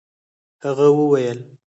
هغه وويل.